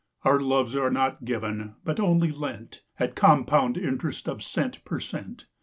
Our loves are not given, but only lent, At compound interest of cent per cent.